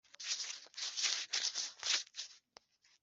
Ariko Dawidi we yisigariye i Yerusalemu.